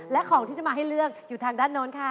และของที่จะมาให้เลือกอยู่ทางด้านโน้นค่ะ